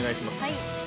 ◆はい。